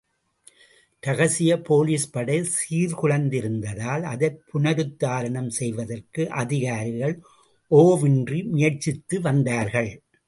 இரகசிய போலிஸ்படை சீர்குலைந்திருந்தால், அதைப் புனருத்தாரணம் செய்வதற்கு அதிகாரிகள் ஓவ்வின்றி முயற்சித்து வந்தர்கள்.